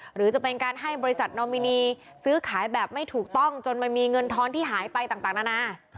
หรือจะเป็นการให้บริษัทนอมินีซื้อขายแบบไม่ถูกต้องจนมันมีเงินทอนที่หายไปต่างนานา